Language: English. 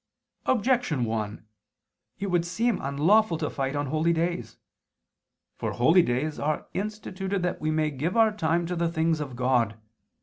Objection 1: It would seem unlawful to fight on holy days. For holy days are instituted that we may give our time to the things of God.